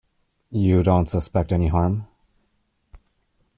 You don't suspect any harm?